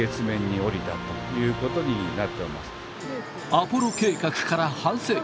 アポロ計画から半世紀。